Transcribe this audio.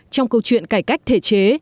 trong câu chuyện cải cách thể chế